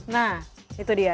nah itu dia